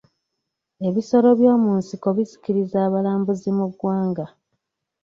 Ebisolo by'omu nsiko bisikiriza abalambuzi mu ggwanga